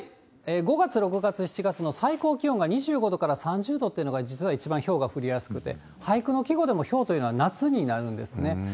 ５月、６月、７月の最高気温が２５度から３０度っていうのが、実は一番ひょうが降りやすくて、俳句の季語でもひょうというのは夏になるんですね。